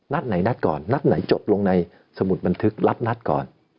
นัดไหนนัดก่อนนัดไหนจบลงในสมุดบันทึกนัดนัดก่อน